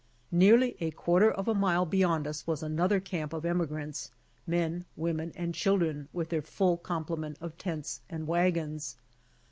Nearly a quarter of a mile beyond us was another camip of emigrants, men, women and children, with their full complement of tents and wagons.